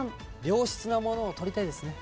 良質なものを取りたいですね。